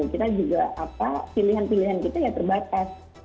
kita juga pilihan pilihan kita ya terbatas